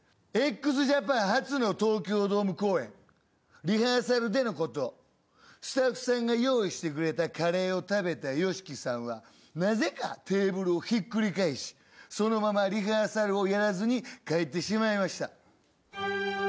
ＸＪＡＰＡＮ初の東京ドーム公演リハーサルでのことスタッフさんが用意してくれたカレーを食べたＹＯＳＨＩＫＩさんはなぜかテーブルをひっくり返しそのままリハーサルをやらずに帰ってしまいました。